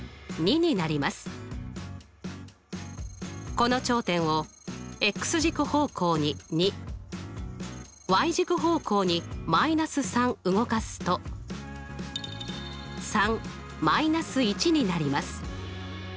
この頂点を軸方向に２軸方向に−３動かすとになります。